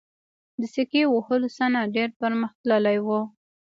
د سکې وهلو صنعت ډیر پرمختللی و